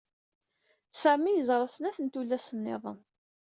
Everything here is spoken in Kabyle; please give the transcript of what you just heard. Sami yeẓra snat n tullas niḍen.